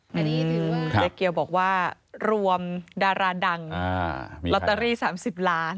เจ๊เกียวบอกว่ารวมดาราดังลอตเตอรี่๓๐ล้าน